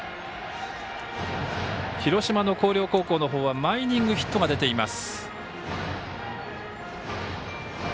広島の広陵の方は毎イニング、ヒットが出ています。